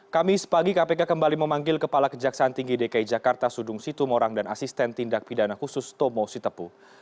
kami sepagi kpk kembali memanggil kepala kejaksaan tinggi dki jakarta sudung situmorang dan asisten tindak pidana khusus tomo sitepu